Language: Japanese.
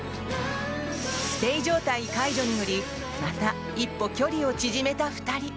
ステイ状態解除によりまた一歩距離を縮めた２人。